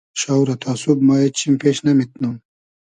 شاو رہ تا سوب ما اېد چیم پېش نئمیتنوم